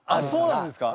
そうなんすか？